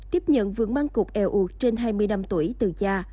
tiếp nhận vườn mang cục eo ụt trên hai mươi năm tuổi từ gia